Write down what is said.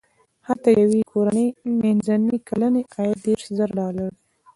هلته د یوې کورنۍ منځنی کلنی عاید دېرش زره ډالر دی.